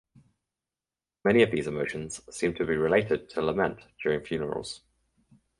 Many of these emotions seem to be related to lament during funerals.